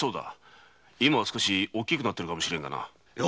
今は少し大きくなっているかもしれんがな。